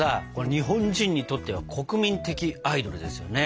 日本人にとっては国民的アイドルですよね。